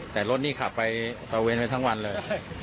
แต่รถนี่ขับไปตะเวนไปทั้งวันเลย